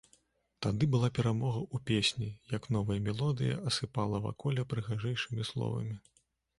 Тады была перамога ў песні, як новая мелодыя асыпала ваколле прыгажэйшымі словамі.